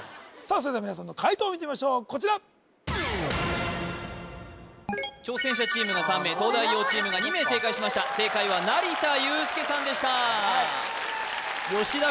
それでは皆さんの解答を見てみましょうこちら挑戦者チームが３名東大王チームが２名正解しました正解は成田悠輔さんでした田